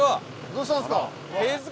どうしたんすか。